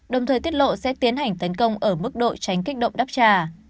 đồng thời tiết lộ sẽ tiến hành tấn công ở mức độ tránh kích động đáp trả